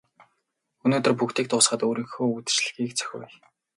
Өнөөдөр бүгдийг дуусгаад өөрсдийнхөө үдэшлэгийг зохиоё.